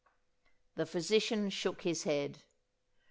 The physician shook his head.